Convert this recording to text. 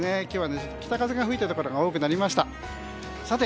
今日は北風が吹いたところが多くなりました。